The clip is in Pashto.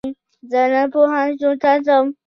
زه نن پوهنتون ته ځم